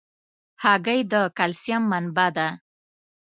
هګۍ د کلسیم منبع ده.